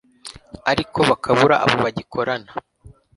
ariko bakabura abo bagikorana,